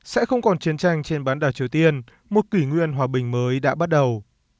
sẽ không còn chiến tranh trên bán đảo triều tiên một kỷ nguyên hòa bình mới đã bắt đầu